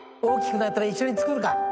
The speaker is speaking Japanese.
大きくなったら一緒に作るか。